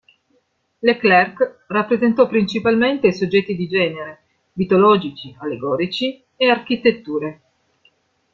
Leclerc rappresentò principalmente soggetti di genere, mitologici, allegorici e architetture.